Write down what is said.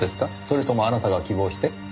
それともあなたが希望して？